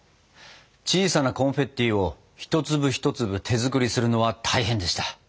小さなコンフェッティを１粒１粒手作りするのは大変でした！